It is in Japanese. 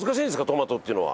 トマトっていうのは。